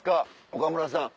岡村さん。